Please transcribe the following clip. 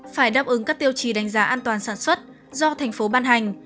phải đáp ứng các tiêu chí đánh giá an toàn sản xuất do thành phố ban hành